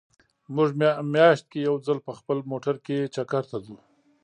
مونږ مياشت کې يو ځل په خپل موټر کې چکر ته ځو